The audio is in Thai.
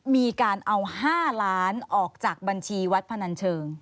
มีการเอา๕ล้านออกจากบัญชีวัดพนันเชิง